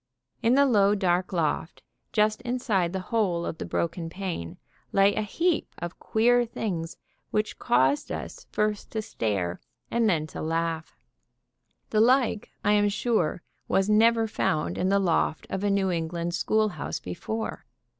In the low, dark loft, just inside the hole of the broken pane, lay a heap of queer things which caused us first to stare, then to laugh. The like, I am sure, was never found in the loft of a New England sehoolhouse before.